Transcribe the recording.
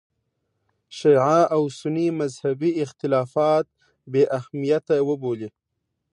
شیعه او سني مذهبي اختلافات بې اهمیته وبولي.